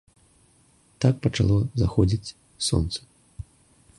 Так пачало заходзіць сонца.